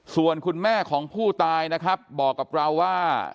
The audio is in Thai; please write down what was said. ส่วนคุณแม่ของผู้ตายนะครับบอกกับเราว่า